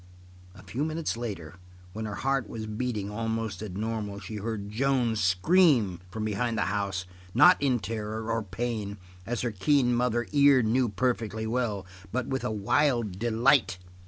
A few minutes later, when her heart was beating almost at normal she heard Joan scream from behind the house, not in terror, or pain, as her keen mother ear knew perfectly well, but with a wild delight.